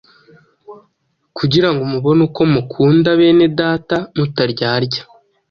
kugira ngo mubone uko mukunda bene data mutaryarya,